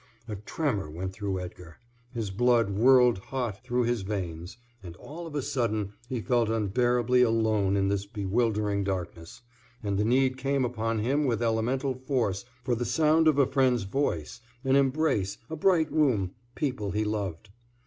A tremor went through Edgar. His blood whirled hot through his veins, and all of a sudden he felt unbearably alone in this bewildering darkness, and the need came upon him with elemental force for the sound of a friend's voice, an embrace, a bright room, people he loved.